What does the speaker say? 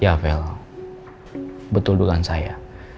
yavel betul dugaan saya